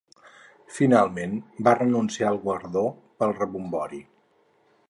Finalment, va renunciar al guardó pel rebombori.